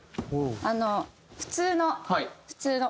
あの普通の普通の。